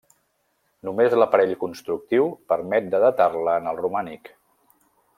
Només l'aparell constructiu permet de datar-la en el romànic.